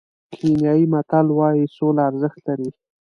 کینیايي متل وایي سوله ارزښت لري.